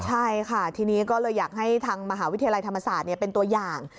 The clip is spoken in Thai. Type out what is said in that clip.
ใช่ค่ะทีนี้ก็เลยอยากให้ทางมหาวิทยาลัยธรรมศาสตร์เป็นตัวอย่าง